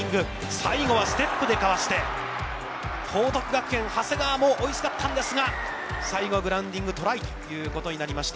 最後はステップでかわして、報徳学園、長谷川も追いすがったんですが、最後、グラウンディングトライということになりました。